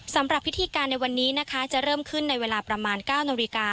สำหรับพิธีการในวันนี้นะคะจะเริ่มขึ้นในเวลาประมาณ๙นาฬิกา